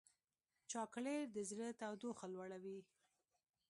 چاکلېټ د زړه تودوخه لوړوي.